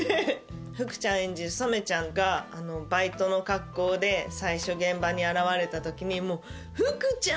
福ちゃん演じる染ちゃんがバイトの格好で最初現場に現れた時にもう「福ちゃん！」